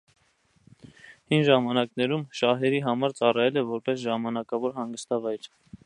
Հին ժամանակներում շահերի համար ծառայել է որպես ժամանակավոր հանգստավայր։